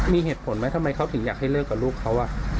มีเหตุผลไหมทำไมเขาถึงอยากให้เลิกกับลูกเขา